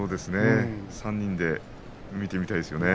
３人で見てみたいですよね。